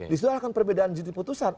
disitu akan perbedaan juri putusan